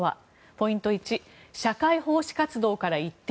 ポイント１社会奉仕活動から一転。